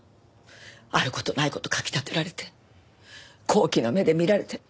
ある事ない事書き立てられて好奇の目で見られて。